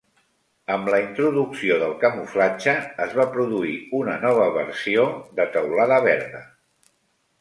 Amb la introducció del camuflatge, es va produir una nova versió de teulada verda.